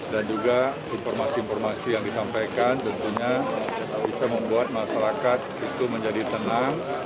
dan juga informasi informasi yang disampaikan tentunya bisa membuat masyarakat itu menjadi tenang